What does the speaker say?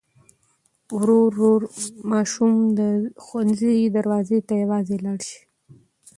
ورو ورو ماشوم د ښوونځي دروازې ته یوازې لاړ شي.